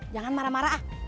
jangan marah marah ah